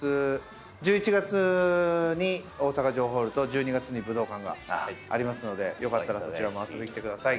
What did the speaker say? １１月に大阪城ホールと１２月に武道館がありますのでそちらも遊びに来てください。